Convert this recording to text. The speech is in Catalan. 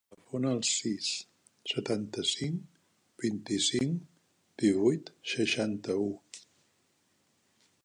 Telefona al sis, setanta-cinc, vint-i-cinc, divuit, seixanta-u.